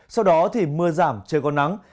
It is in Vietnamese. sau đó thì mưa giảm trời còn nắng